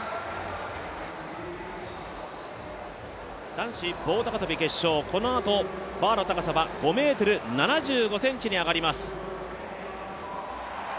男子棒高跳決勝、このあとバーの高さは５ｍ７５ｃｍに上がります。